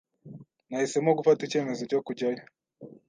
Nahisemo gufata icyemezo cyo kujyayo.